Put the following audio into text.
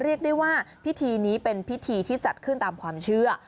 เรียกได้ว่าพิธีนี้เป็นพิธีที่จัดขึ้นตามความเชื่อ